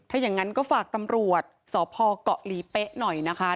ถ้าอย่างนั้นก็ฝากตำรวจสพเกาะหลีเป๊ะหน่อยนะคะ